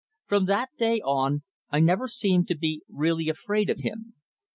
From that day on I never seemed to be really afraid of him.